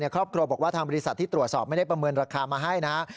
ครอบครัวบอกว่าทางบริษัทที่ตรวจสอบไม่ได้ประเมินราคามาให้นะครับ